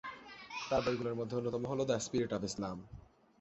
তার বইগুলোর মধ্যে অন্যতম হল দ্যা স্পিরিট অফ ইসলাম।